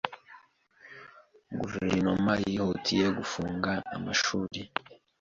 Guverinoma yihutiye gufunga amashuri